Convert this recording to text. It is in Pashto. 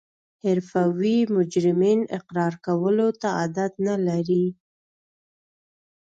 حرفوي مجرمین اقرار کولو ته عادت نلري